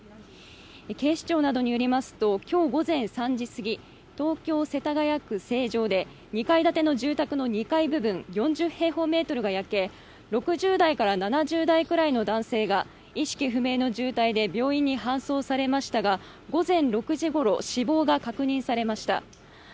警視庁などによりますと今日午前３時すぎ、東京・世田谷区成城で２階建ての住宅の２階部分４０平方メートルが焼け６０代から７０代くらいの男性が意識不明の重体で病院に搬送されましたが午前６時ごろ、死亡が確認されました。